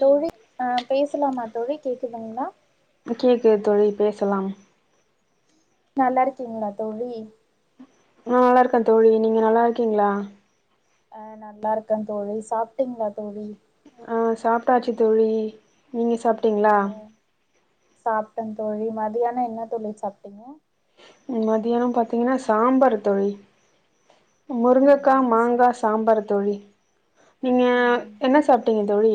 தோழி அ பேசலாமா தோழி கேக்குதுங்களா கேக்குது தோழி பேசலாம் நல்லா இருக்கீங்களா தோழி நா நல்லா இருக்கே தோழி நீங்க நல்லா இருக்கீங்களா அ நல்லா இருக்க தோழி சாப்பிட்டீங்களா தோழி ஆஹ் சாப்பிட்டாச்சு தோழி நீங்க சாப் அ சாப்ட்டன் தோழி மதியான என்ன தோழி சாப்ட்டீங்க மதியானம் பாத்தீங்கன்னா சாம்பார் தோழி முருங்கக்கா ஆஹா சா மாங்கா சாம்பார் தோழி நீங்க ம் ம் என்ன சாப்ட்டீங்க தோழி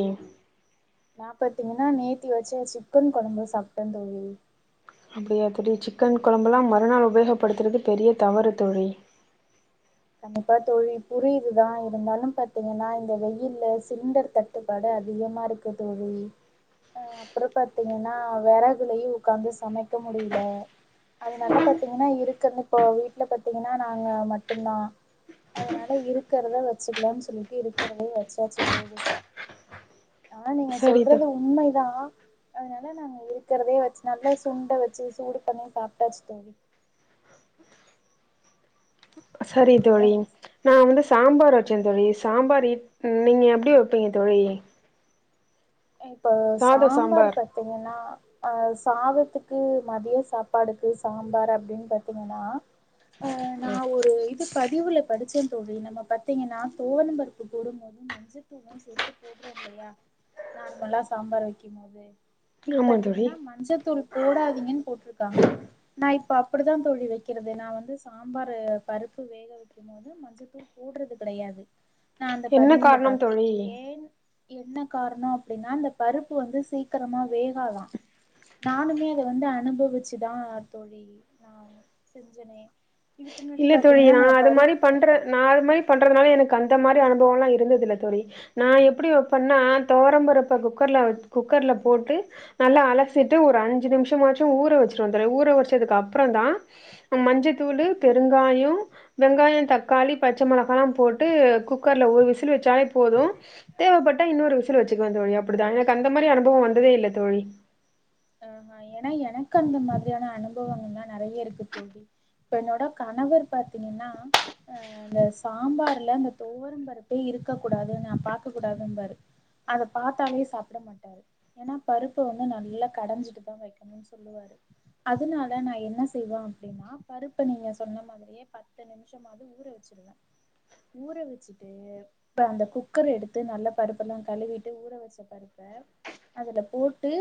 நா பாத்தீங்கன்னா நேத்தி வச்ச சிக்கன் கொழம்பு சாப்ட்ட தோழி அப்டியா அப்டி சிக்கன் கொழம்பல்லா மறுநாள் உபயோகப்படுத்துறது பெரிய தவறு தோழி கண்டிப்பா தோழி புரியுதுதா இருந்தாலு பாத்தீங்கன்னா இந்த வெயிலில சிலிண்டர் தட்டுப்பாடு அதிகமாக இருக்கு தோழி அப்புற பாத்தீங்கன்னா வெறகுலையு உக்காந்து சமைக்க முடியல அதனால பாத்தீங்கன்னா இருக்குன்னு இப்போ வீட்ல பாத்தீங்கன்னா நாங்க மட்டும்தா அதனால இருக்கிறத வச்சுக்கலானு சொல்லிட்டு இருக்கிறதே வச்சாச்சு தோழி ஆஹ் நீங்க சரி தோ சொல்றது உண்மைதா அதனால நாங்க இருக்கிறதே வச்சு நல்லா சுண்ட வச்சு சூடு பண்ணி சாப்பிட்டாச்சு தோழி சரி தோழி ம் நா வந்து சாம்பார் வச்ச தொழி சாம்பார் நீங்க எப்படி வைப்பீங்க தொழி இப்போ சாம்பார் பாத்தீங்கன்னா அஹ் சாதத்துக்கு மதிய சாப்பாடுக்கு சாம்பார் அப்படின்னு பார்த்தீங்கன்னா ஹ க்கு பதிவுல படிச்ச தோழி நம்ம பாத்தீங்கன்னா தோவன பருப்பு போடும் போது மஞ்சத்தூலு சேர்த்து போடுறோ இல்லையா நார்மலா சாம்பார் வைக்கும் போது இது ஆமா தோழி பாத்தீங்கன்னா மஞ்சத்தூள் போடாதீங்கன்னு போட்டிருக்காங்க நாய் இப்ப அப்படித்தா தோழி வைக்கிறது நா வந்து சாம்பார் பருப்பு வேக வைக்கும் போது மஞ்சத்தூள் போடுறது கிடையாது நா அந்த என்ன பதிவுல காரணம் பார்த்தே தோழி ஏன் என்ன காரணம் அப்படின்னா அந்த பருப்பு வந்து சீக்கிரமா வேகாதா நானுமே அத வந்து அனுபவிச்சுதா தோழி நா செஞ்சனே இதுக்கு முன்னாடி இல்ல தோழி பாத்தீங்கன்னா நா அது பருப் மாரி பண்ற நான் அது மாரி பண்றதுனால எனக் கந்த மாரி அனுபவோல இருந்ததுல்ல தோழி நா எப்படி வைப்பா னா தொவரம்பரப்ப குக்க குக்கர்ல போட்டு நல்லா அலச்சிட்டு ஒரு அஞ்சு நிமிஷமாச்சு ஊற வச்ச ஊற வச்சதுக்கு அப்ரோ தா மஞ்சத்தூள் பெருங்காயம் வெங்காய தக்காளி பச்சை மிளக போட்டு குக்கர்ல ஒரு விசில் வச்சாலே போதும் தேவைப்பட்டா இன்னொரு விசில் வச்சுக்குவ தோழி அப்படிதா எனக்கு அந்த மாரி அனுபவோ வந்ததே இல்ல தோழி ஹ் ஏனா எனக் அந்த மாதிரியான அனுபவங்கள்லா நறைய இருக்கு தோழி இப்ப என்னோட கணவர் பாத்தீங்கன்னா அஹ் இந்த சாம்பார்ல அந்த தோவரம் பருப்பே இருக்க கூடாது நா பார்கக்க கூடாதுன்பாரு அத பார்த்தாலே சாப்பிட மாட்டாரு ஏன்னா பருப்பு வந்து நல்லா கடைஞ்சிட்டு தா வைக்கணுனு சொல்லுவாரு அதனால நா என்ன செய்வ அப்படின்னா பருப்பை நீங்க சொன்ன மாதிரியே பத்து நிமிஷமாவது ஊற வச்சிருவ ஊற வச்சுட்டு அந்த குக்கர் எடுத்து நல்ல பருப்பெல்லா கழுவிட்டு ஊற வச்ச பருப்ப அதுல போட்டு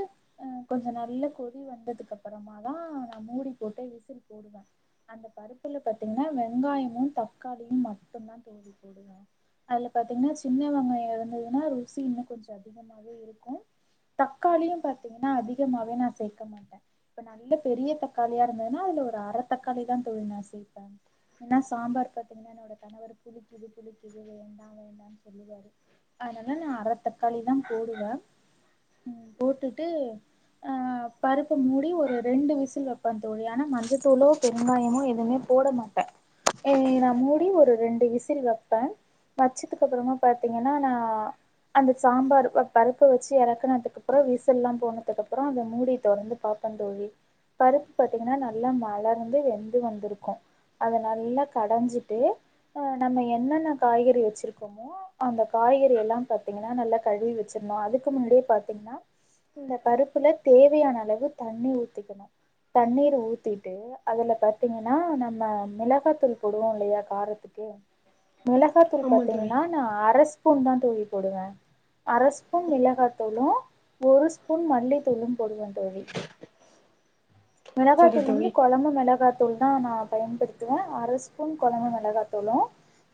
அஹ கொஞ்சோ நல்ல கொதி வந்ததுக்கு அப்புறம தா நா மூடி போட்டு விசில் போடுவ அந்த பருப்புல பாார்த்தீங்கன்னா வெங்காயமு தக்காளியு மட்டு தா தோழி போடுவ அதுல பாார்த்தீங்கன்னா சின்னவெங்காயோ இருந்ததுன்னா ருசி இன்னு கொஞ்சோ அதிகமாவே இருக்கு தக்காளியு பாத் த்தீங்கன்னா அதிகமாவே நா சேர்க்க மாட்ட இப்ப நல்ல பெரிய தக்காளியா இருந்ததுன்னா அதுல ஒரு அரைத்தக்காளி தா தோழி நா சேப்ப ஏனா சாம்பார் பாத்தீங்கன்னா என்னோட கணவர் புளிக்குது புளிக்குது வேண்டா வேண்டானு சொல்லுவாரு அதனால நா அர தக்காளி தா போடுவ உ போட்டு ட்டு ஆஹ் பருப்ப மூடி ஒரு ரெண்டு விசில் வைப்ப தோழி ஆனா மஞ்சத்தூளோ பெருங்காயமோ எதுவுமே போட மாட்ட ஏஹ் நா மூடி ஒரு ரெண்டு விசில் வைப்ப வச்சதுக்கு அப்புறமா பார்த்தீங்கன்னா நா அந்த சாம்பார் பருப்ப வச்சு இறக்கனதுக்குப்ரோ விச ல்லா போனதுக்கு அப்ரோ அந்த மூடி தோறந்து பாப்பம்ந்தோழி பருப்பு பா்த்தீங்கன்னா நல்லா மலர்ந்து வெந்து வந்திருக்கு அத நல்லா கடைஞ்சிட்டு அஹ் நம்ம என்னென்ன காய்கறி வெச்சிருக்கோமோ அந்த காய்கறி எல்லாம் பா்த்தீங்கன்னா நல்லா கழுவி வச்சிருந்தோ அதுக்கு முன்னாடியே பாத்தீங்கன்னா இந்த பருப்புல தேவையான அளவு தண்ணிர் ஊத்திக்கணு தண்ணீர் ஊத்திட்டு அதுல பாத்தீங்கன்னா நம்ம மிளகாத்தூள் போடுவோ இல்லையா காரத்துக்கு மிளகாத்தூள் ஆமா தோழி பார்த்தீங்கன்னா நா அரசு பூன் தா தோழி போடுவ அர ஸ்பூன் மிளகாத்தூளு ஒரு ஸ்பூ புன் மல்லி தூள்ளு பொடுவ தோழி சரி மிளகாத்தூல இருந்து தோழி குழம்பு மிளகாத் தூள் தா நா பயன்படுத்துவ அரை ஸ்பூன் குழம்பு மிளகா தூளும்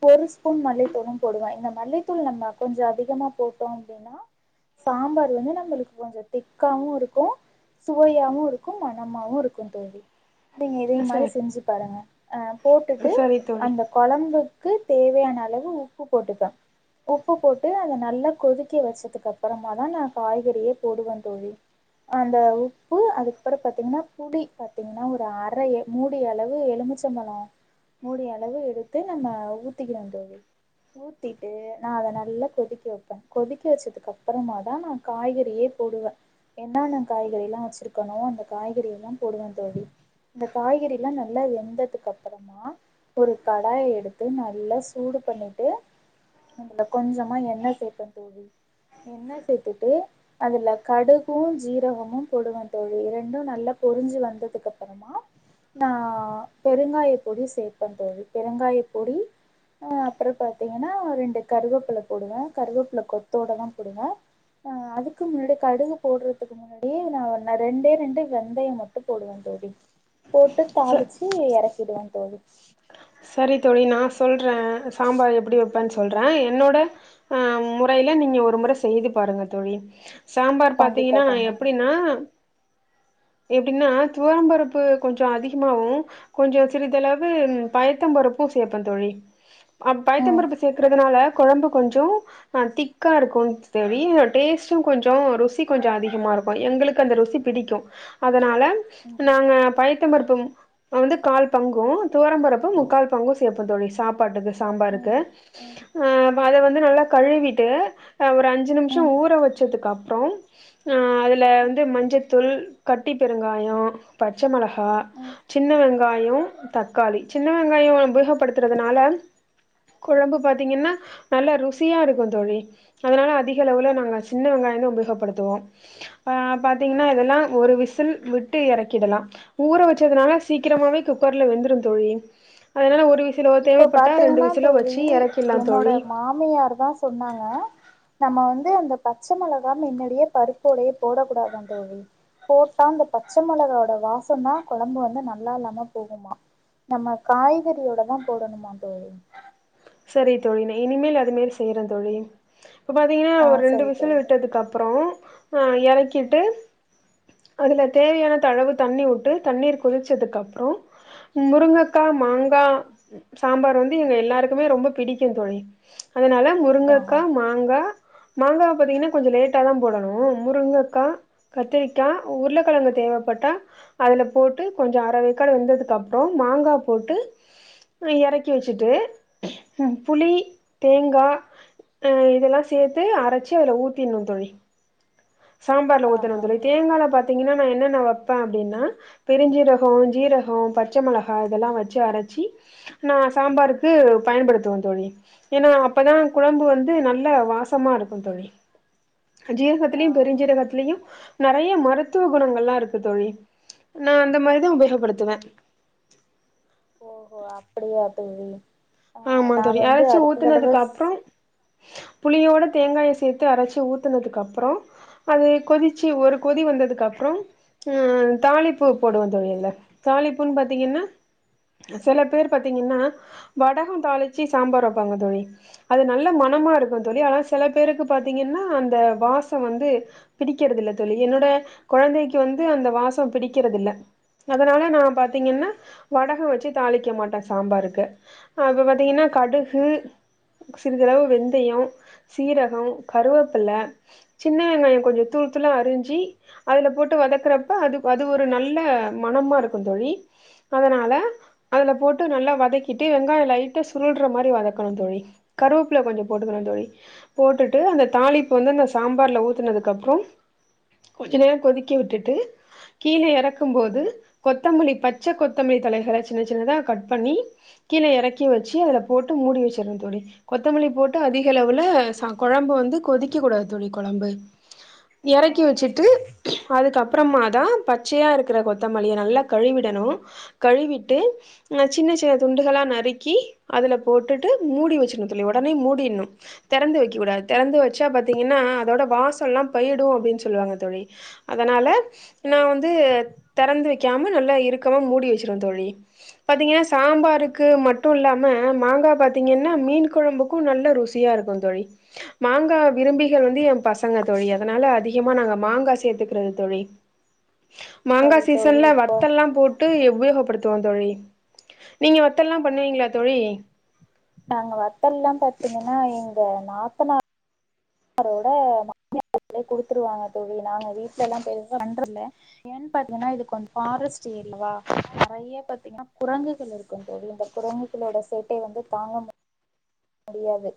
ஒரு ஸ்பூன் மல்லித்தூளு போடுவ இந்த மல்லித்தூள் நம்ம கொஞ்சோ அதிகமா போட்டோ அப்டின்னா சாம்பார் வந்து நம்மளுக்கு கொஞ்சோ திக்காவு இருக்கு சுவையாவவு இருக்கு மனமாவு இருக்கு தோழி நீங்க இதே மாரி சரி செஞ்சு பாருங்க ஆ போட்டுட்டு சரி தோழி அந்த குழம்பு க்கு தேவையான அளவு உப்பு போட்டுப்ப உப்பு போட்டு அத நல்லா கொதிக்க வச்சதுக்கு அப்பறமா தா நா காய்கறியே போடுவ தோழி அந்த உப்பு அதுக்கப்ரோ பார்த்தீங்கன்னா புளி பார்த்தீங்கன்னா ஒரு அற மூடிய அளவு எலுமிச்சம்பளம் மூடிய அளவு எடுத்து நம்ம ஊத்திக்கிறோ தோழி ஊத்திட்டு நா அத நல்லா கொதிக்க வைப்ப கொதிக்க வச்சதுக்கு அப்பறமா தா நா காய்கறியே போடுவ என்னென்ன காய்கறிலா வச்சிருக்கணு அந்த காய்கறி எல்லா போடுவ தோழி இந்த காய்கறி எல்லா நல்லா வெந்ததுக்கு அப்பறமா ஒரு கடாய் எடுத்து நல்லா சூடு பண்ணிட்டு அதுல கொஞ்சோமா எண்ணெ சேப தோழி எண்ணெ சேத்துட்டு அதில் கடுகும் ஜீரகமும் போடுவேன் தோழில் ரெண்டும் நல்லா பொரிஞ்சு வந்ததுக்கு அப்பறமா நான் பெருங்காய பொடி சேர்ப்பன் தோழி பெருங்காய பொடி அப்பறம் பார்த்தீங்கன்னா ரெண்டு கருவேப்பிலை போடுவேன் கருவேப்பிலை கொத்தோட தான் போடுவேன் அதுக்கு க்கு முன்னாடி கடுகு போடுறதுக்கு முன்னாடியே நா ரெண்டே ரெண்டு வெந்தயோ மட்டு போடுவ தோழி போட்டு ச தாளிச்சு இறக்கி இருக்குலா தோழி ச் செரி தோழி நா சொல்ற சாம்பார் எப்படி வைப்பேன்னு சொல்றே என்னோட அ முறைல நீங்க ஒரு முறை செய்து பாருங்க தோழி சாம்பார் கண்டிப்பா பாத்தீங்கன்னா நா கண்டிப்பா எப்டீன்னா தோழி எப்டீன்னா துவரம்பருப்பு கொஞ்சோ அதிகமாவு கொஞ்சோ சிறிதளவு பயத்தம் பருப்போ சேப்ப தோழி பயத்த ம் பருப்பு சேர்க்கறது நால குழம்பு கொஞ்சோ திக்கா இருக்கோ தோழி டேஸ்ட் கொஞ்சோ ருசி கொஞ்சோ அதிகமா இருக்கோ எங்குளுக்கு அந்த ருசி கொஞ்சோ பிடிக்கும் அதனால ம் ம் நாங்க பைத்த பருப்பு நா வந்து கால் பங்கோ துவரம்பருப்பு முக்கால் பங்கோ சேப்போ தோழி சாப்ப சாப்பாட்டு ம் சாம்பாருக்கு ம் அத வந்து நல்லா கழுவிட்டு ஒரு அஞ்சு நிமிஷோ ஊற வச்சதுக்கப்பறோ அப்றோ அ அதுல வந்து மஞ்சத் தூள் கட்டி பெருங்காயோ பச்ச மிளகா சின்ன வெங்காயோ தக்காளி சின்ன வெங்காயோ உபயோகப்படுத்துறதுனால குழம்பு பாத்தீங்கன்னா நல்லா ருசியா இருக்கோ தோழி அதனால அதிக அளவுல நாங்க சின்ன வெங்காயந்தா உபயோகப்படுத்துவோ பாத்தீங்கன்னா இதெல்லா ஒரு விசில் விட்டு இறக்கிடலா ஊற வெச்சதுனால சீக்கிரமாகவே குக்கர்ல வெந்துடும் தோழி அதனால ஒரு வி இப்ப பாத்தீங்கன்னா தோழி எறக்கிட்லா என்னோட தோழி மாமியார் தா சொன்னாங்க நம்ம வந்து அந்த பச்சை மிளகா மின்னாடியே பருப்போடையே போடக்கூடாதான் தோழி போட்டா அந்த பச்சை மிளகாவோட வாசம்னா குழம்பு வந்து நல்லா இல்லாம போகுமா நம்ம காய்கறியோட தான் போடணும்மா தோழி செரி தோழி இனிமேல் அது மேரி செய்யறே தோழி இப்ப பாத்தீங்கன்னா ஆ ஒரு ரெண்டு சரி விசில் தோழி விட்டதுக்கு அப் அப்பறோ ஆ‌ எறக்கிட்டு அதுல தேவையான தளவு தண்ணி வுட்டு தண்ணீர் கொதிச்சதுக்கு அப்பறோ முருங்கக்கா மாங்கா சாம்பார் வந் எங்க எல்லாருக்குமே ரொம்ப பிடிக்கும் தோழி அதனால ஆஹா முருங்கைக்கா மாங்கா மாங்கா பாத்தீங்கன்னா கொஞ்சோ லேட்டா தா போடணோ முருங்கைக்கா கத்திரிக்கா உருளக்கெழங்கு தேவைப்பட்டா அதுல போட்டு கொஞ்சோ அரவேக்காடு வெந்ததுக்கு அப்பறம் மாங்கா‌ போட்டு இறக்கி க்கி வெச்சுட்டு புளி தேங்கா இதெல்லா சேத்து அரச்சு அதுல ஊத்திட்னோ தோழி சாம்பார்ல ஊத்துனோ ஆஹா தோழி தேங்கால பாத் பாத்தீங்கனா நா என்னன்ன வைப்பே அப்படீனா பெருஞ்சீரகோ ஜீரகோ பச்ச மிளகா இதெல்லா வெச்சு அரச்சி நா சாம்பாருக்கு பயன்படுத்துவேன் தோழி ஏன்னா அப்பதா குழம்பு வந்து நல்ல வாசமா இருக்கோ தோழி ஜீர அதுலயோ ஆஹா பெருஞ்சீ ரகத்திலயு நறைய மருத்துவ குணங்கள்லா இருக்கு தோழி நா அந்த மாதிரிதா உபயோகப்படுத்துவே ஓ அப்படியா தோழி அ ஆமா நா தோழி வந்து அரைச்சு அடுத்த தடவ ஊத்துனதுக்கு ஸ் அப்றோ புளியோட தேங்காய சேத்து அரச்சு ஊத்துனதுக்கப்புறோ அது கொதிச்சு ஒரு கொதி வந்ததுக்கு அப்புறோ அ தாளிப்பூ போடுவ தொழிலல தாளிப்பூன்னு பா்த்தீங்கன்னா சில பேர் பாத்தீங்கன்னா வடகம் தாளிச்சு சாம்பார் வெப்பாங்க தோழி அது நல்ல மனமா இருக்கோ தோழி ஆனா சில பேருக்கு பாார்த்தீங்கன்னா அந்த வாசம் வந்து பிடிக்கறத இல்ல தழி என்னோட கொழந்தைக்கு வந்து அந்த வாசம் பிடிக்கறத இல்ல அதனால நா பாத்தீங்கன்னா வடகம் வச்சு தாளிக்க மாட்டே சாம்பாருக்கு அப்போ பார்த்தீங்கன்னா கடுகு சிறிதளவு வெந்தயோ சீரகோ கருவேப்பில சின்ன வெங்காயோ கொஞ்சோ தூள் தூளாக அரிஞ்சு அதில் போட்டு வதக்கிறப்ப அது அது ஒரு நல்ல மணமாக இருக்கு தோழி அதனால அதில் போட்டு நல்லா வதக்கிட்டு வெ தா லைட்டா சுருல்ற மாரி வதக்கணும் தோழி, கருவேப்புல கொஞ்சம் போட்டுக்கணும் தோழி, போட்டுட்டு அந்த தாளிப்பு வந்து அந்த சாம்பார்ல ஊத்துனதுக்கு அப்புறம், கொஞ்ச நேரம் கொதிக்கி விட்டுட்டு கீழே இறக்கும் போது கொத்தமல்லி பச்ச கொத்தமல்லி தலைகளை சின்ன சின்னதா கட் பண்ணி கீழே இறக்கி வச்சு அதுல போட்டு மூடி வெச்சிர்னு தோழி, கொத்தமல்லி போட்டு அதிக அளவுல் ச குழம்பு வந்து கொதிக்கக்க கூடாது தோழி குழம்பு எறக்கி ஆஹா வச்சுட்டு அதுக்கப்பறமா தா பச்சையா இருக்குற கொத்தமல்லிய நல்லா கழுவிடணும், கழுவிட்டு அ சின்ன சின்ன துண்டுகளா நறுக்கி அதுல போட்டுட்டு மூடி வச்சிர்னு தோழி ஒடனே மூடின்னும் திறந்து வைக் க்க கூடாத் திறந்து வச்சா பத்தீங்கன்னா அதோட வாசோ ல்லாம் பயிடூ அப்டின்னு சொல்லுவாங்க தோழி அதனால நா வந்து தெறந்து வைக்காம நல்லா இருக்கமா மூடி வச்சிருவ தோழி பாத்தீங்கன்னா சாம்பாருக் க்கு மட்டூ இல்லாம மாங்கா பாத்தீங்கன்னா மீன் குழம்புக்கும் நல்ல ருசியா இருக்கும் தோழி, மாங்கா விரும்பிகள் வந்து என் பசங்க தோழி அதனால அதிகமா நாங்க மாங்கா சேத்துக்குறது தோழி மாங்கா சரி தோழி சீசன்ல இப்போ வத்த ல்லாம் போட்டு இப் உபயோகப் படுத்துவோம் தோழி நீங்க வ ஆஹ நாங்க வத்த ல்லாம் பாத்தீங்க ஆனா எங்க நாத்தனாரோட லே குடுத்துருவாங்க தோழி நாங்க வீட்ல ல்லாம் பெருசா பண்றதில்ல ஏன்னு பாத்தீங்கன்னா இதுகொஞ்ச பாரஸ்ட் ஏறி இல்லவா நறைய பாத்தீங்கன்னா குரங்குகள் இருக்கும் தோழி இந்த குரங்குகளோட சேட்டை வந்து தாங்க மு முடியாது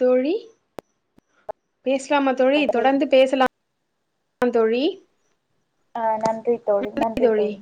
தோழி பேசலாமா தோழி தொடர்ந்து பேசலாம் க்கோ தோழி ஆஹ் நன் ன்றி தோழி நன்றி தோழி